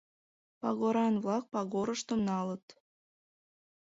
Пагоран-влак пагорыштым налыт.